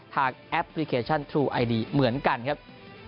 แอปพลิเคชันทรูไอดีเหมือนกันครับ